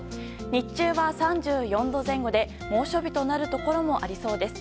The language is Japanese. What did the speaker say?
日中は３４度前後で猛暑日となるところもありそうです。